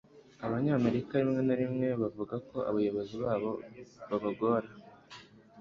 Abanyamerika Rimwe na rimwe Bavugako abayobozi babo babagora